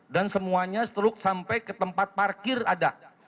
dan semuanya seteluk sampai ke tempat parkir ada